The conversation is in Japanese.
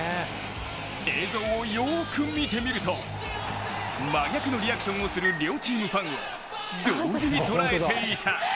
映像をよーく見てみると真逆のリアクションをする両チームファンを同時に捉えていた。